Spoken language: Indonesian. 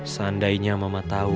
seandainya mama tau